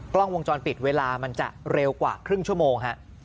กล้องวงจรปิดเวลามันจะเร็วกว่าครึ่งชั่วโมงฮะ